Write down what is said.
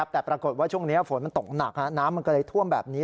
แต่ปรากฏว่าช่วงนี้ฝนมันตกหนักน้ำมันก็เลยท่วมแบบนี้